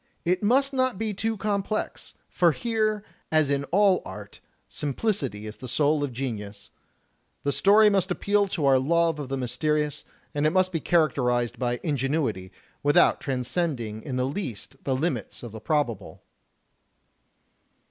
It must not be too complex; for here, as in all art, simplicity is the soul of genius. The story must appeal to our love of the mysterious, and it must be characterized by ingenuity, with out transcending in the least the limits of the probable."